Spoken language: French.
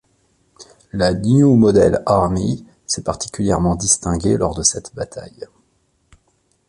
La New Model Army s'est particulièrement distinguée lors de cette bataille.